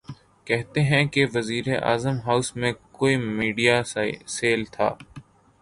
کہتے ہیں کہ وزیراعظم ہاؤس میں کوئی میڈیا سیل تھا۔